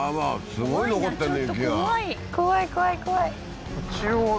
すごい残ってんね